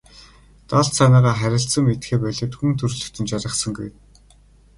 Далд санаагаа харилцан мэдэхээ болиод хүн төрөлхтөн жаргасангүй.